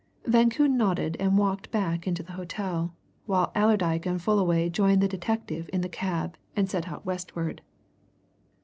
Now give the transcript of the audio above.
Van Koon nodded and walked back into the hotel, while Allerdyke and Fullaway joined the detective in the cab and set out westward.